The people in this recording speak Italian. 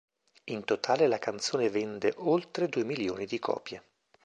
In totale la canzone vende oltre due milioni di copie.